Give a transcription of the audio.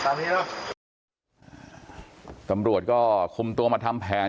เนี้ยเนอะตำรวจก็คุมตัวมาทำแผน